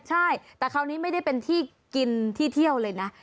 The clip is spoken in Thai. ใช่แต่คราวนี้ไม่ได้เป็นที่กินที่เที่ยวเลยนะ